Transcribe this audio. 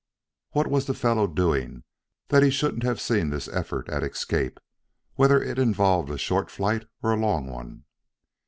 "What was that fellow doing, that he shouldn't have seen this effort at escape, whether it involved a short flight or a long one?"